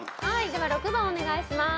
では６番お願いします。